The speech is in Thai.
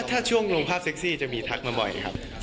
ถ้าช่วงลงภาพเซ็กซี่จะมีทักมาบ่อยครับ